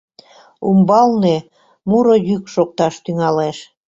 Умбалне муро йӱк шокташ тӱҥалеш.